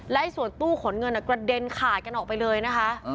และส่วนตู้ขนเงินกระเด็นขาดกันออกไปเลยนะคะ